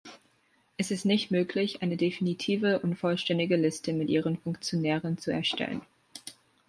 Es ist nicht möglich, eine definitive und vollständige Liste mit ihren Funktionären zu erstellen.